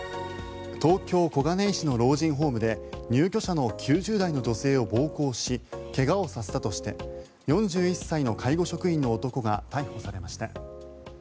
東京・小金井市の老人ホームで入居者の９０代の女性を暴行し怪我をさせたとして４１歳の介護職員の男が逮捕されました。